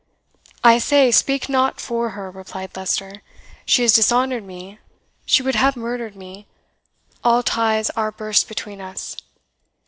"I say, speak not for her!" replied Leicester; "she has dishonoured me she would have murdered me all ties are burst between us.